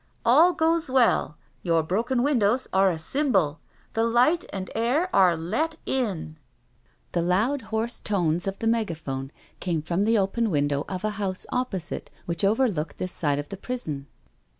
All goes well. Your broken win dows are a symbol — the light and air are let in." The loud, hoarse tones of the megaphone came from the open window of a house opposite, which overlooked this side of the prison.